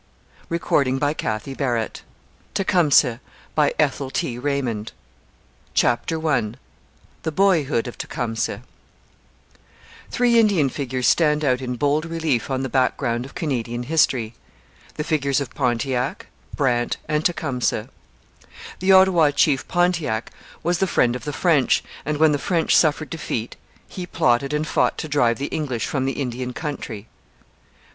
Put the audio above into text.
THE BATTLE OF LAKE ERIE X. TECUMSEH'S LAST FIGHT BIBLIOGRAPHICAL NOTE CHAPTER I THE BOYHOOD OF TECUMSEH Three Indian figures stand out in bold relief on the background of Canadian history the figures of Pontiac, Brant, and Tecumseh. The Ottawa chief Pontiac was the friend of the French, and, when the French suffered defeat, he plotted and fought to drive the English from the Indian country.